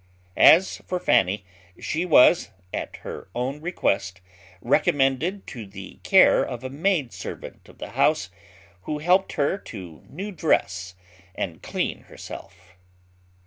As for Fanny, she was, at her own request, recommended to the care of a maid servant of the house, who helped her to new dress and clean herself.